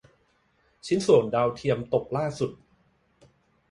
ชิ้นส่วนดาวเทียมตกล่าสุด